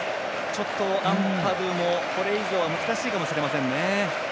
ちょっと、アンパドゥもこれ以上は難しいかもしれません。